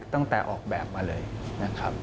ตั้งแต่ออกแบบมาเลยนะครับ